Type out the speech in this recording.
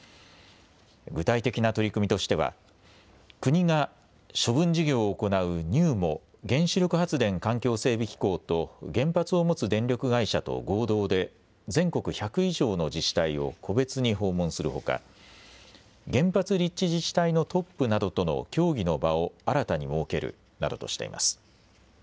具体的な取り組みとしては国が処分事業を行うＮＵＭＯ・原子力発電環境整備機構と原発を持つ電力会社と合同で全国１００以上の自治体を個別に訪問するほか、原発立地自治体のトップなどとの協議の場を新たに設けるなどとしています。